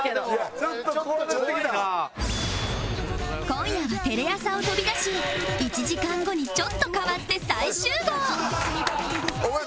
今夜はテレ朝を飛び出し１時間後にちょっと変わって再集合お前